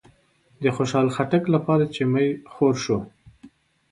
د خوشحال خټک لپاره چې می خور شو